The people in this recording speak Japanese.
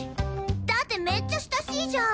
だってめっちゃ親しいじゃん！